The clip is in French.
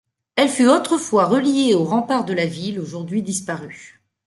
Elle fut autrefois reliée aux remparts de la ville aujourd'hui disparus.